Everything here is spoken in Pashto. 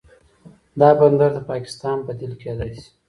دا بندر د پاکستان بدیل کیدی شي.